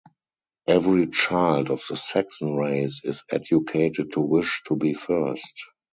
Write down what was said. Every child of the Saxon race is educated to wish to be first.